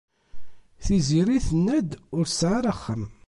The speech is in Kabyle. Tiziri tenna-d ur tesɛi ara axxam.